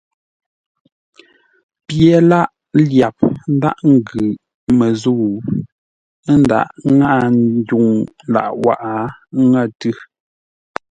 Pye lâʼ lyap ńdághʼ ńgʉ məsəu, ə́ ndaghʼ ŋáʼa ndwuŋ lâʼ wághʼə ńŋə̂ tʉ́.